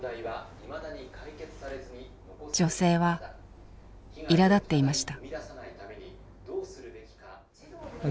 女性はいらだっていました。